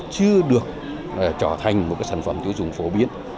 trở thành một sản phẩm tiêu dùng phổ biến